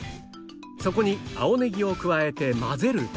そこに青ネギを加えて混ぜるだけ